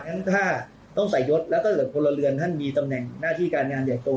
อย่างนั้นถ้าต้องใส่ยศแล้วถ้าเกิดคนละเรือนท่านมีตำแหน่งหน้าที่การงานใหญ่โต